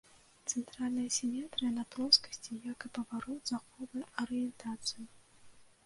Цэнтральная сіметрыя на плоскасці, як і паварот, захоўвае арыентацыю.